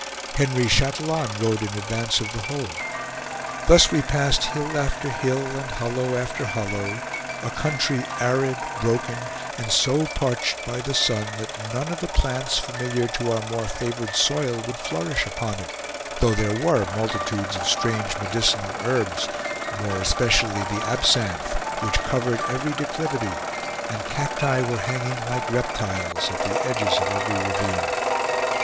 Henry Chatillon rode in advance of the whole. Thus we passed hill after hill and hollow after hollow, a country arid, broken and so parched by the sun that none of the plants familiar to our more favored soil would flourish upon it, though there were multitudes of strange medicinal herbs, more especially the absanth, which covered every declivity, and cacti were hanging like reptiles at the edges of every ravine.